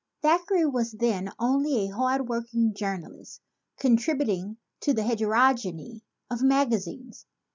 Thackeray was then only a hard working journalist contributing to a heter ogeny of magazines.